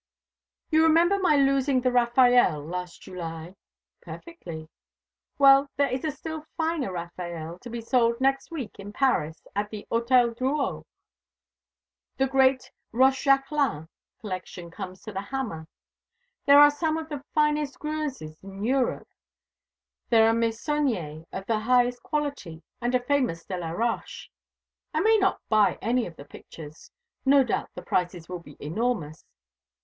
You remember my losing the Raffaelle last July?" "Perfectly." "Well, there is a still finer Raffaelle to be sold next week in Paris, at the Hôtel Drouot. The great Rochejaquelin collection comes to the hammer. There are some of the finest Greuzes in Europe. There are Meissoniers of the highest quality, and a famous Delaroche. I may not buy any of the pictures. No doubt the prices will be enormous.